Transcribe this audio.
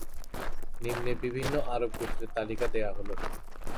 নিম্নে বিভিন্ন আরব গোত্রের তালিকা দেয়া হল।